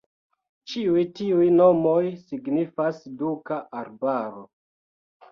Ĉiuj tiuj nomoj signifas "Duka Arbaro".